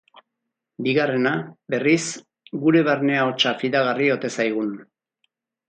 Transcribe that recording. Bigarrena, berriz, gure barne-ahotsa fidagarri ote zaigun.